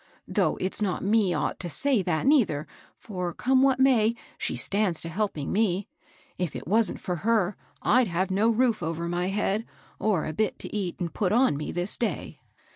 Though it's not me ought to say that, nei ther, for, come what may, she stands to helping THE FIfiST FLOOB LODOEB. 278 me. I£ it wasn't for her, I'd have no roof over my head, or a bit to eat or put on me, this daj.